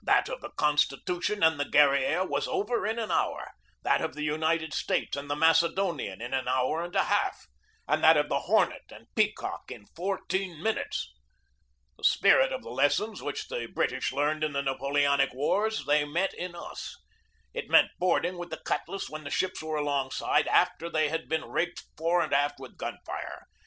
That of the Constitution and the Guerriere was over in an hour; that of the United States and the Macedonian in an hour and a half; and that of the Hornet and Peacock in fourteen minutes. The spirit of the les son which the British learned in the Napoleonic wars, they met in us. It meant boarding with the cutlass when the ships were alongside, after they had been raked fore and aft with gun fire.